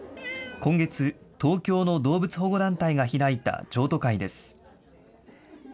今月、東京の動物保護団体が開いた譲渡会です。